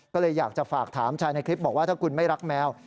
ก็เลยอยากจะฝากถามชายในคลิปบอกว่าถ้าคุณไม่รักแมว